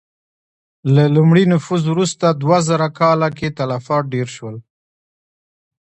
له لومړي نفوذ وروسته دوه زره کاله کې تلفات ډېر شول.